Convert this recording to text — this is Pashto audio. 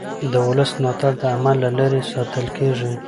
د ولس ملاتړ د عمل له لارې ساتل کېږي